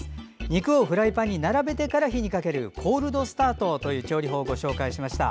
肉をフライパンに並べてから火にかけるコールドスタートという調理法をご紹介しました。